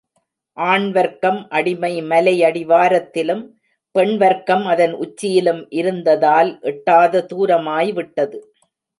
ஆண் வர்க்கம் அடிமை மலையடிவாரத்திலும், பெண் வர்க்கம் அதன் உச்சியிலும் இருந்ததால் எட்டாத தூரமாய்விட்டது.